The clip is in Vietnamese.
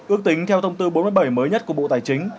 ước tính theo thông tư bốn mươi bảy mới nhất của bộ tài chính